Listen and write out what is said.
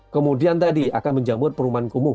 kemudian tadi akan menjamur perumahan kumuh